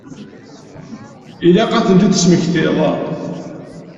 Ilaq ad ten-id-tesmektiḍ.